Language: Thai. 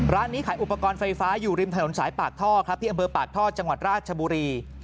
ร้านนี้ขายอุปกรณ์ไฟฟ้าอยู่ริมถนนสายปากท่อครับที่อำเภอปากท่อจังหวัดราชบุรี